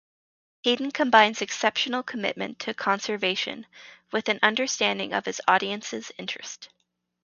Hayden combines an exceptional commitment to conservation with an understanding of his audiences' interests.